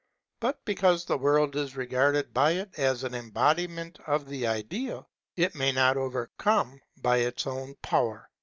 But because the world is regarded by it as an embodiment of the ideal, it may not overcome by its own power.